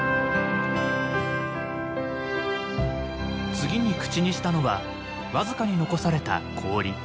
次に口にしたのは僅かに残された氷。